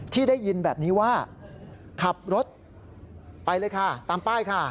ได้ยินแบบนี้ว่าขับรถไปเลยค่ะตามป้ายค่ะ